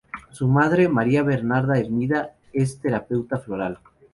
Su madre, María Bernarda Hermida, es terapeuta floral.